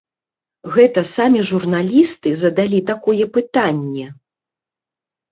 Гэта самі журналісты задалі такое пытанне!